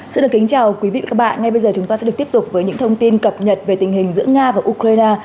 xin được kính chào quý vị và các bạn ngay bây giờ chúng ta sẽ được tiếp tục với những thông tin cập nhật về tình hình giữa nga và ukraine